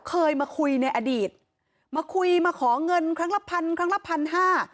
เคยมาคุยในอดีตมาคุยมาขอเงินครั้งละพันครั้งละพันห้า